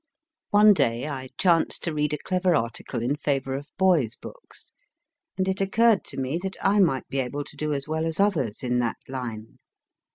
One day I chanced to read a clever article in favour of boys books, and it occurred to me that I might be able to do as well as others in that line.